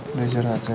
udah siar natsya